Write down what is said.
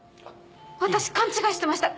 私勘違いしてました。